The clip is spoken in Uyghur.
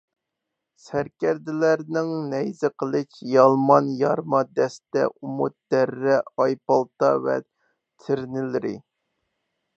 سەركەردىلەرنىڭ نەيزە، قىلىچ، يالمان، يارما دەستە، ئۇمۇت، دەررە، ئايپالتا ۋە تىرنىلىرى